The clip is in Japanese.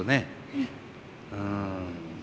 うん。